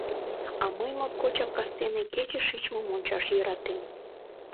— А мый моткочак кастене кече шичмым ончаш йӧратем.